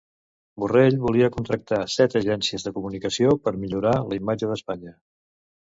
Borrell volia contractar set agències de comunicació per millorar la imatge d'Espanya.